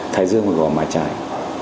thái dương gõ mả trải